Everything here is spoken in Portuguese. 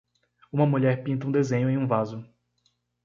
Uma mulher pinta um desenho em um vaso.